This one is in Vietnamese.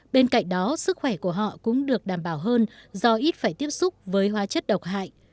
bên cạnh đó sức khỏe của họ cũng được đảm bảo hơn do ít phải tiếp xúc với hóa chất độc hại